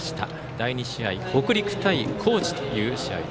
第２試合、北陸対高知の試合。